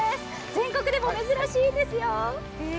全国でも珍しいんですよ。